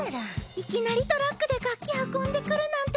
いきなりトラックで楽器運んでくるなんてね。